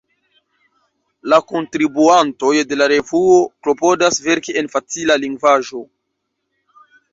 La kontribuantoj de la revuo klopodas verki en facila lingvaĵo.